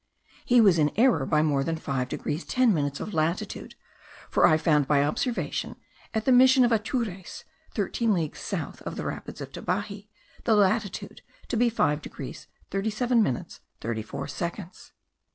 He was in error by more than 5 degrees 10 minutes of latitude; for I found, by observation, at the mission of Atures, thirteen leagues south of the rapids of Tabaje, the latitude to be 5 degrees 37 minutes 34 seconds.